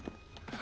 あ。